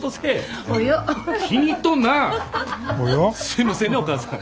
すいませんねお母さん。